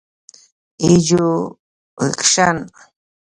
ايجوکيشن